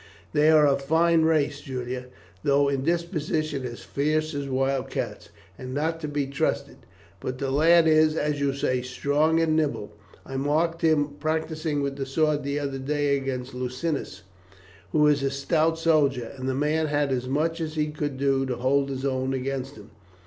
"They are a fine race, Julia, though in disposition as fierce as wild cats, and not to be trusted. But the lad is, as you say, strong and nimble. I marked him practising with the sword the other day against Lucinus, who is a stout soldier, and the man had as much as he could do to hold his own against him.